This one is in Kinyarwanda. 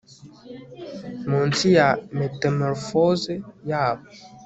Munsi ya metamorphose yabo